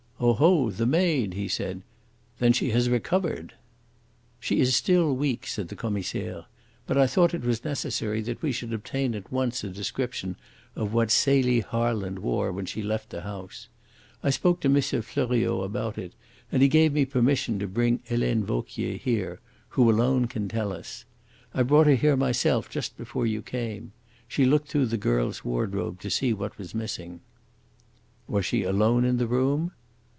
"Oho, the maid!" he said. "Then she has recovered!" "She is still weak," said the Commissaire. "But I thought it was necessary that we should obtain at once a description of what Celie Harland wore when she left the house. I spoke to M. Fleuriot about it, and he gave me permission to bring Helene Vauquier here, who alone could tell us. I brought her here myself just before you came. She looked through the girl's wardrobe to see what was missing." "Was she alone in the room?"